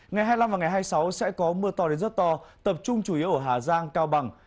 ngày hai mươi năm và ngày hai mươi sáu sẽ có mưa to đến rất to tập trung chủ yếu ở hà giang cao bằng